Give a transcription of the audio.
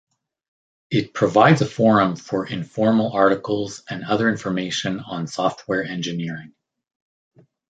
It provides a forum for informal articles and other information on software engineering.